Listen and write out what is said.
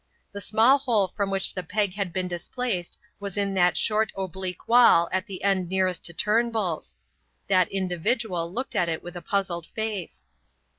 The small hole from which the peg had been displaced was in that short oblique wall at the end nearest to Turnbull's. That individual looked at it with a puzzled face.